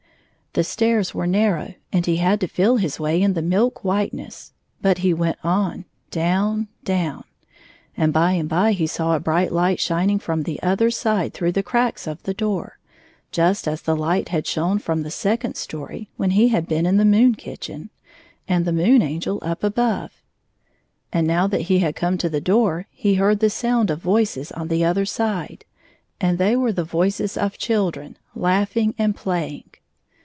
The stairs were narrow, and he had to feel his way in the milk whiteness, but he went on, down, down, and by and by he saw a bright light shining from the other side through the cracks of the door, just as the light had shone from the second story, when he had been in the moon kitchen, and the Moon Angel up above. And now that he had come to the door, he heard the sound of voices on the other side, and they were the voices of children, laugh ing and playing.